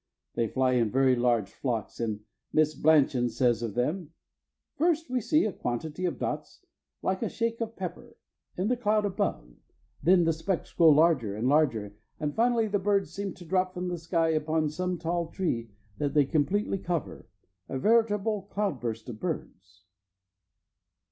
They fly in very large flocks, and Miss Blanchan says of them, "First, we see a quantity of dots, like a shake of pepper, in the cloud above, then the specks grow larger and larger, and finally the birds seem to drop from the sky upon some tall tree that they completely cover—a veritable cloudburst of birds."